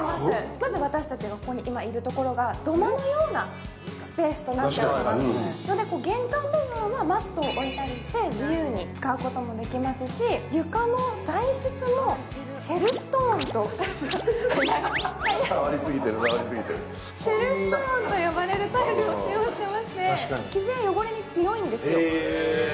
まず私たちが今いるところが土間のようなスペースとなっておりますので玄関部分はマットを置いたりして自由に使うこともできますし、床の材質もシェルストーンと呼ばれるタイルを使用していまして傷や汚れに強いんですよ。